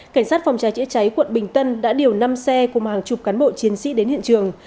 cảnh sát phòng cháy chữa cháy quận bình tân đã điều năm xe cùng hàng chục cán bộ chiến sĩ đến hiện trường